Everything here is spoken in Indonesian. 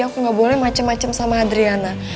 aku gak boleh macem macem sama adriana